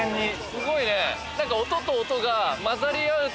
すごいね。